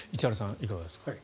いかがですか。